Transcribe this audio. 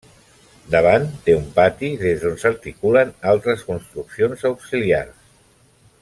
Davant té un pati des d'on s'articulen altres construccions auxiliars.